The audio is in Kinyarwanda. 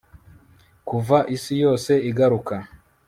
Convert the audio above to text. Kuva isi yose igaruka